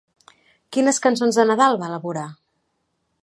Quines cançons de Nadal va elaborar?